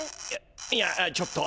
いいやちょっと。